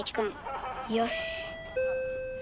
よし。